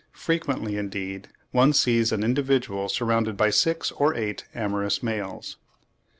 Frequently, indeed, one sees an individual surrounded by six or eight amorous males."